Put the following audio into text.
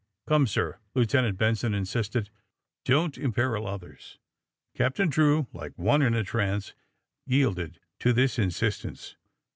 *^Come, sir," Lieutenant Benson insisted. Don't imperil others!" Captain Drew, like one in a trance yielded to this insistence.